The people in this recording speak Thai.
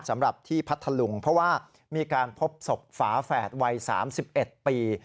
สำหรับที่พัทธลุงเพราะว่ามีการพบศพฝาแฝดวัย๓๑ปี